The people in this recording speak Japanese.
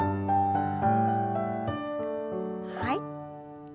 はい。